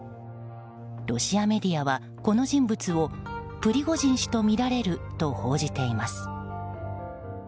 ロシアメディアは、この人物をプリゴジン氏とみられると報じています。